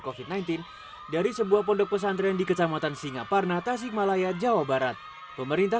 covid sembilan belas dari sebuah pondok pesantren di kecamatan singaparna tasikmalaya jawa barat pemerintah